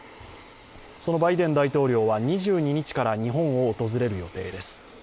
そのバイデン大統領は２２日から日本を訪れる予定です。